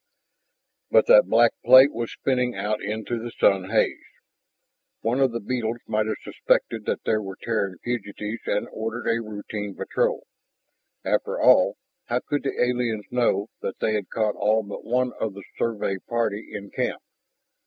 But that black plate was spinning out into the sun haze. One of the beetles might have suspected that there were Terran fugitives and ordered a routine patrol. After all, how could the aliens know that they had caught all but one of the Survey party in camp?